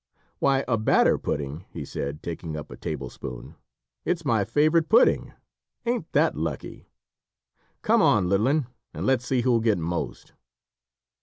"Why, a batter pudding," he said, taking up a table spoon, "it's my favourite pudding! Ain't that lucky? Come on, little 'un, and let's see who'll get most."